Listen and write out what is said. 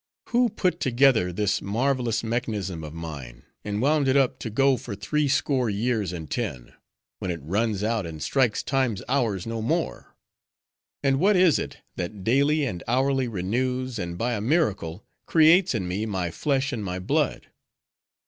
'Who put together this marvelous mechanism of mine; and wound it up, to go for three score years and ten; when it runs out, and strikes Time's hours no more? And what is it, that daily and hourly renews, and by a miracle, creates in me my flesh and my blood?